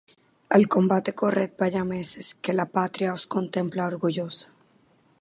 Al combate corred bayameses que la patria os comtempla orgullosa